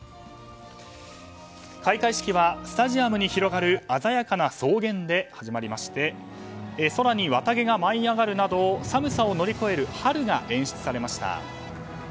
開会式はスタジアムに広がる鮮やかな草原で始まりまして空に綿毛が舞い上がるなど寒さを乗り越える春が演出されました。